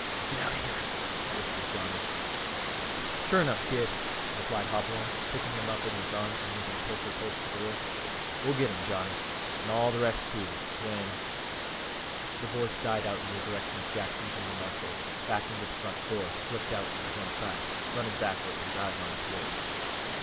"Get me out of here," whispered Johnny. "Shore enough, Kid; but keep quiet," replied Hopalong, picking him up in his arms and moving carefully towards the door. "We'll get him, Johnny; an' all th' rest, too, when" the voice died out in the direction of Jackson's and the marshal, backing to the front door, slipped out and to one side, running backward, his eyes on the saloon.